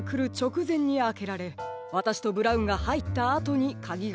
くぜんにあけられわたしとブラウンがはいったあとにカギがかけられました。